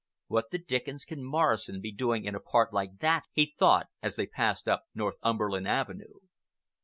"What the dickens can Morrison be doing in a part like that!" he thought, as they passed up Northumberland Avenue.